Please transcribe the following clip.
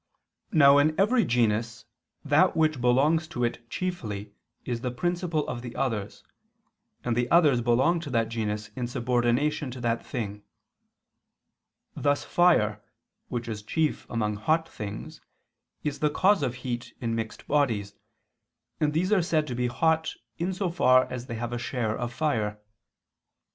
Now in every genus, that which belongs to it chiefly is the principle of the others, and the others belong to that genus in subordination to that thing: thus fire, which is chief among hot things, is the cause of heat in mixed bodies, and these are said to be hot in so far as they have a share of fire.